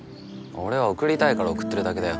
俺は送りたいから送ってるだけだよ